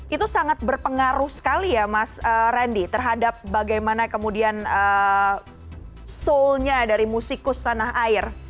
itu sangat berpengaruh sekali ya mas randy terhadap bagaimana kemudian soulnya dari musikus tanah air